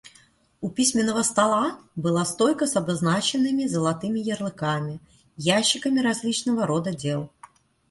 У письменного стола была стойка с обозначенными золотыми ярлыками ящиками различного рода дел.